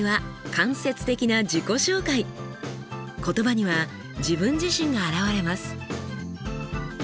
言葉には自分自身が表れます。